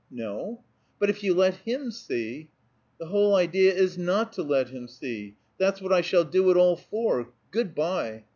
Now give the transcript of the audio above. "No " "But if you let him see " "The whole idea is not to let him see! That's what I shall do it all for. Good by!"